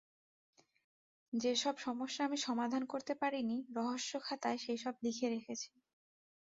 যে-সব সমস্যা আমি সমাধান করতে পারি নি, রহস্য- খাতায় সেইসব লিখে রেখেছি।